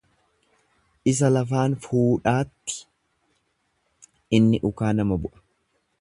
Isa lafaan fuudhaatti inni ukaa nama bu'a.